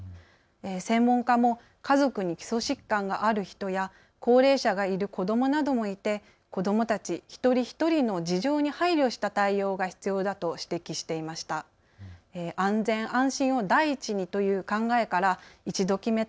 専門家も家族に基礎疾患がある人や高齢者がいる子どもなどもいて子どもたち一人一人の事情に配慮した対応が必要だと指摘していました。